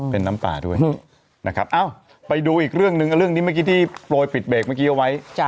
เป็นน้ำตาด้วยนะครับเอ้าไปดูอีกเรื่องหนึ่งเรื่องนี้เมื่อกี้ที่โปรยปิดเบรกเมื่อกี้เอาไว้